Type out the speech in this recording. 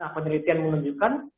nah penelitian menunjukkan